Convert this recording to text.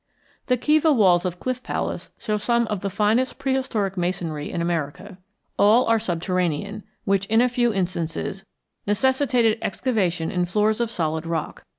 The kiva walls of Cliff Palace show some of the finest prehistoric masonry in America. All are subterranean, which in a few instances necessitated excavation in floors of solid rock.